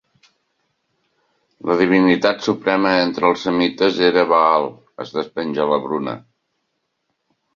La divinitat suprema entre els semites era Baal, es despenja la Bruna.